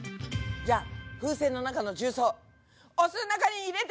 じゃあ風船の中の重曹をお酢の中に入れて！